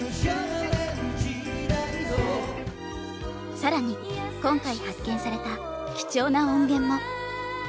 更に今回発見された貴重な音源も。